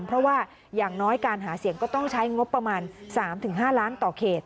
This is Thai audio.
เพราะว่าอย่างน้อยการหาเสียงก็ต้องใช้งบประมาณ๓๕ล้านต่อเขต